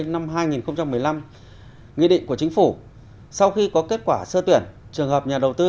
năm hai nghìn một mươi năm nghị định của chính phủ sau khi có kết quả sơ tuyển trường hợp nhà đầu tư